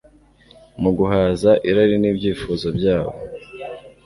Mu guhaza irari nibyifuzo byabo